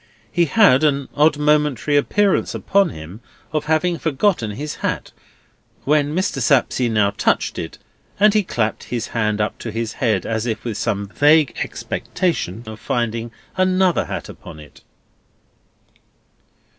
He had an odd momentary appearance upon him of having forgotten his hat, when Mr. Sapsea now touched it; and he clapped his hand up to his head as if with some vague expectation of finding another hat upon it.